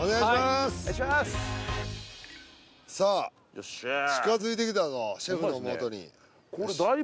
気近づいてきたぞシェフの元に。